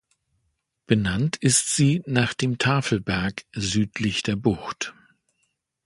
Benannt ist sie nach dem Tafelberg südlich der Bucht.